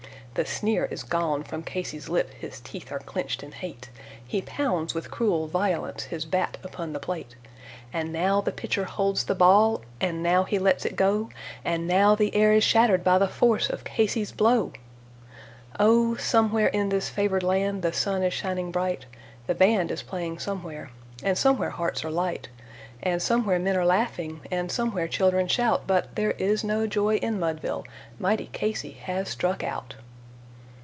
The sneer is gone from Casey's lip, his teeth are clenched in hate, He pounds with cruel violence his bat upon the plate; And now the pitcher holds the ball, and now he lets it go, And now the air is shattered by the force of Casey's blow. Oh, somewhere in this favored land the sun is shining bright; The band is playing somewhere, and somewhere hearts are light, And somewhere men are laughing, and somewhere children shout, But there is no joy in Mudville mighty Casey has struck out!